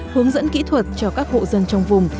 hướng dẫn kỹ thuật cho các hộ dân trong vùng